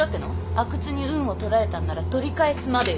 阿久津に運を取られたんなら取り返すまでよ。